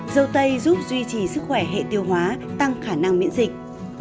dâu tây giúp duy trì sức khỏe hệ tiêu hóa tăng khả năng miễn dịch